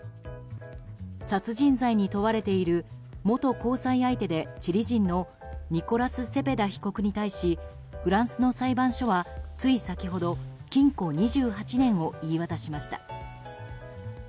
殺人罪に問われている元交際相手でチリ人のニコラス・セペダ被告に対しフランスの裁判所はつい先ほど禁固２８年を言い渡しました。